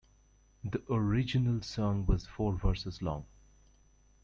The original song was four verses long.